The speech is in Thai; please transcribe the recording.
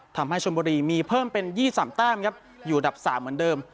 ทำให้ชนบุรีมีเพิ่มเป็น๒๓แต้มครับอยู่อันดับ๓เหมือนเดิม